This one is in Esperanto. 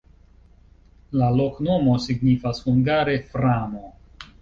La loknomo signifas hungare: framo.